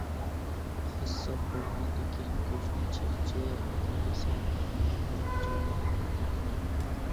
قاسساپ بولغاندىكىن گۆشنى جىق جىق قىلمىسام بولمايدۇ جامائەتنىڭ ئالدىدا.